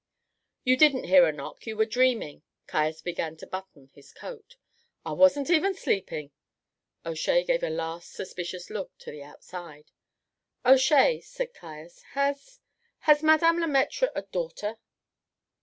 "You didn't hear a knock; you were dreaming." Caius began to button on his coat. "I wasn't even asleep." O'Shea gave a last suspicious look to the outside. "O'Shea," said Caius, "has has Madame Le Maître a daughter?"